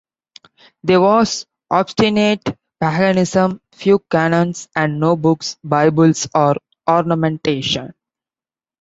There was obstinate paganism, few canons, and no books, bibles, or ornamentation.